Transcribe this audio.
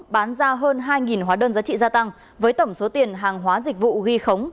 bán ra hơn hai hóa đơn giá trị gia tăng với tổng số tiền hàng hóa dịch vụ ghi khống